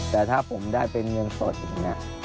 แต่ถ้าผมได้เป็นเงินสดอย่างนี้